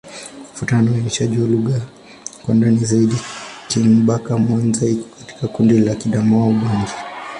Kufuatana na uainishaji wa lugha kwa ndani zaidi, Kingbaka-Manza iko katika kundi la Kiadamawa-Ubangi.